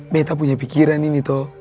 betta punya pikiran ini toh